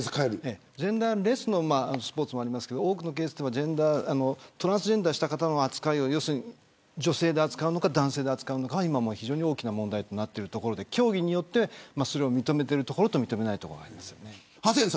ジェンダーレスのスポーツもありますけど多くのケースはトランスジェンダーの方の扱いを女性で扱うのか男性で扱うのか問題になっていて競技によって認めているところと認めていないところがあります。